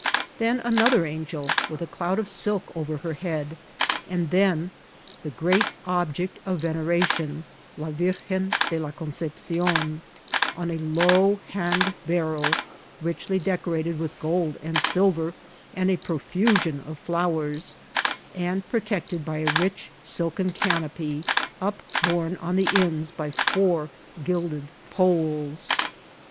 Then another angel, with a cloud of silk over her head, and tiien die great objeet of veneration, Ij4 Y irgina de la Concepcion, on a low hand«banow, richly decorated with gold and lilver and a profusion of flowers, and protected by a rich silken canopy, upborne on the ends of four gilded poles.